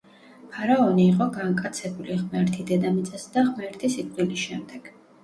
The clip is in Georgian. ფარაონი იყო განკაცებული ღმერთი დედამიწაზე და ღმერთი სიკვდილის შემდეგ.